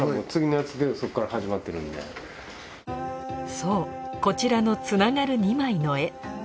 そうこちらのつながる２枚の絵。